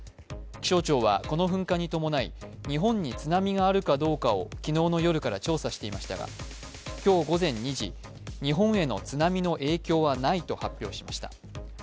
気象庁はこの噴火に伴い、日本に津波があるかどうかを昨日の夜から調査していましたが、今日午前２時、日本への津波の影響はないと発表しました。